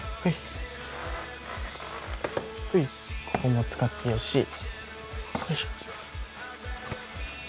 ここも使ってよし。